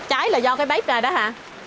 cháy là do cái bếp này đó hả